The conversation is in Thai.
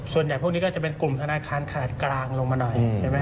ส่วนใหญ่พวกนี้ก็จะเป็นกลุ่มธนาคารขนาดกลางลงมาหน่อยใช่ไหม